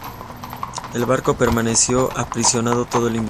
El barco permaneció aprisionado todo el invierno.